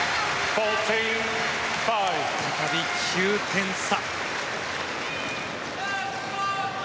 再び９点差。